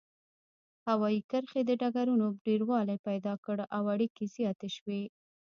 هوايي کرښې او ډګرونو ډیروالی پیدا کړ او اړیکې زیاتې شوې.